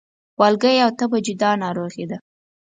والګی او تبه جدا ناروغي دي